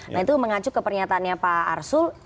nah itu mengacu ke pernyataannya pak arsul